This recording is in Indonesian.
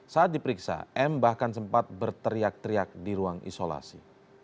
saat diperiksa m bahkan sempat berteriak teriak di ruang isolasi